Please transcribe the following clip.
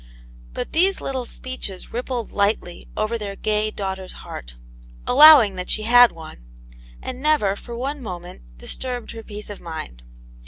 But these little speeches rippled lightly over their gay daughter's heart, allowing that she had one, and never, for one moment, disturbed her peace of mind.